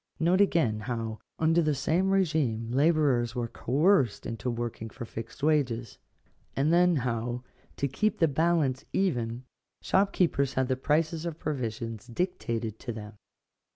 Note again how, under the same regime, labourers were coerced into working for fixed wages; and then how, to keep the balance even, shopkeepers had the prices of provisions dictated to them.